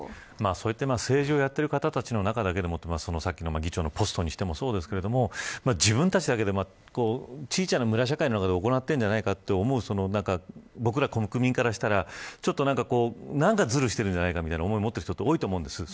それって、政治をやっている方の中だけで議長のポストにしてもそうですけど自分たちだけで小さな村社会の中で行っているんじゃないかという僕ら国民からしたら、ちょっとなんかズルしてるんじゃないかなという思いを持ってる人が多いと思うんです。